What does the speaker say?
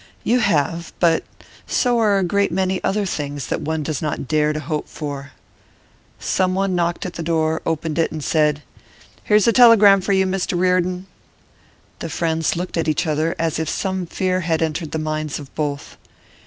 'You have; but so are a great many other things that one does not dare to hope for.' Someone knocked at the door, opened it, and said: 'Here's a telegram for you, Mr Reardon.' The friends looked at each other, as if some fear had entered the minds of both.